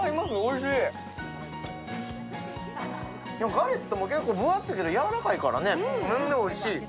ガレットも結構、分厚いけどやわらかいからね。